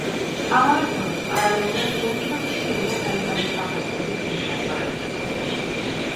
ამავე დროს, პარალელურად, ჯერ კიდევ ხშირია თალიბანის თავდასხმები ძირითად პროექტებზე.